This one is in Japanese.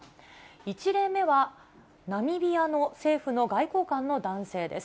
１例目はナミビアの政府の外交官の男性です。